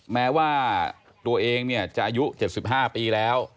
แม้ว่าตัวเองจะอายุ๗๕ปีแล้ว